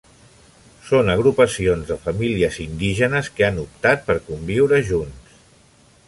Són agrupacions de famílies indígenes que han optat per conviure junts.